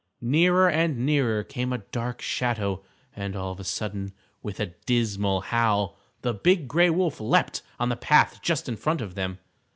Nearer and nearer came a dark shadow, and all of a sudden, with a dismal howl, the Big Gray Wolf leaped on the path just in front of them.